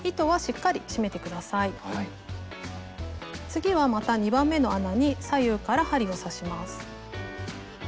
次はまた２番目の穴に左右から針を刺します。